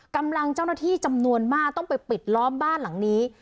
กำลังเจ้าหน้าที่จำนวนมากต้องไปปิดล้อมบ้านหลังนี้